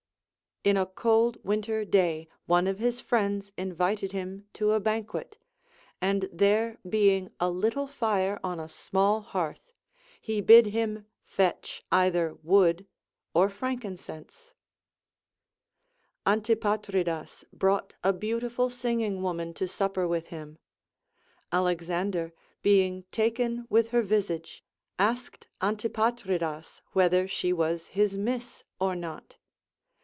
In a cold Avinter day one of his friends invited him to a banquet, and there being a little fire on a small hearth, he bid him fetch either wood or frankincense. Antipatridas brought a beautiful singing Avoman to supper with him ; Alexander, being taken with her visage, asked Antipatridas Avhether she was his miss or not.